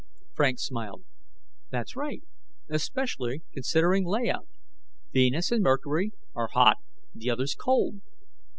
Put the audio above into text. Frank smiled, "That's right, especially considering layout. Venus and Mercury are hot; the others, cold.